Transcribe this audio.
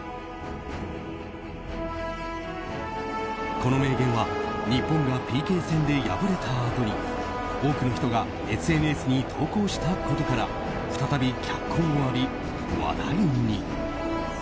この名言は日本がＰＫ戦で敗れたあとに多くの人がＳＮＳに投稿したことから再び脚光を浴び、話題に。